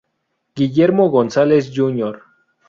Guillermo González, Jr.